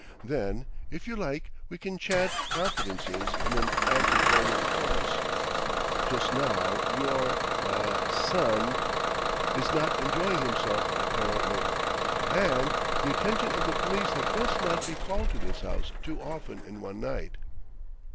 Then, if you like, we can chant confidences in an antiphonal chorus. Just now your er son is not enjoying himself apparently, and ... the attention of the police had best not be called to this house too often in one night."